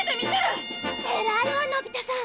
偉いわのび太さん！